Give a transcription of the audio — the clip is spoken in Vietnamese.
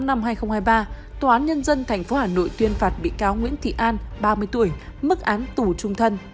năm hai nghìn hai mươi ba tòa án nhân dân tp hà nội tuyên phạt bị cáo nguyễn thị an ba mươi tuổi mức án tù trung thân